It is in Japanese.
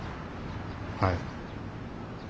はい。